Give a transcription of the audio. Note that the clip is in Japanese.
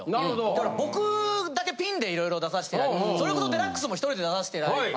だから僕だけピンでいろいろ出させて頂いてそれこそ『ＤＸ』もひとりで出させて頂いて。